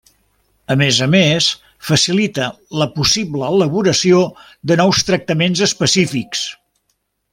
A més a més, facilita la possible elaboració de nous tractaments específics.